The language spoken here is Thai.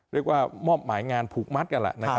เรียกว่าหมอบหมายงานผูกมัดอ่ะละ